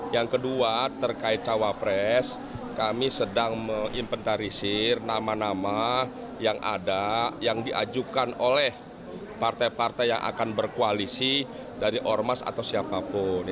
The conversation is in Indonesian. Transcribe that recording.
yang kedua terkait cawapres kami sedang menginventarisir nama nama yang ada yang diajukan oleh partai partai yang akan berkoalisi dari ormas atau siapapun